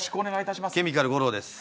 ケミカル吾郎です。